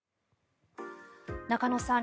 中野さん